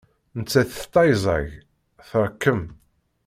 Nettat tettayzag, trekkem.